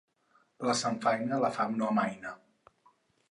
La samfaina la fam no amaina.